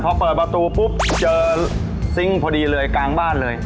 พอเปิดประตูปุ๊บเจอซิงค์พอดีเลยกลางบ้านเลย